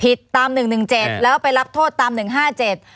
ตามหนึ่งหนึ่งเจ็ดแล้วไปรับโทษตามหนึ่งห้าเจ็ด